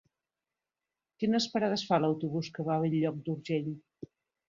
Quines parades fa l'autobús que va a Bell-lloc d'Urgell?